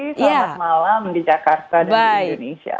selamat pagi selamat malam di jakarta dan di indonesia